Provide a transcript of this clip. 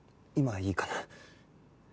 今いいかな？